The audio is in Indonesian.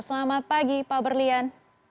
selamat pagi pak berlian